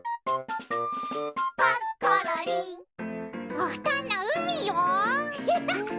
おふとんのうみよ。